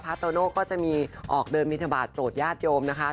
โตโน่ก็จะมีออกเดินบินทบาทโปรดญาติโยมนะคะ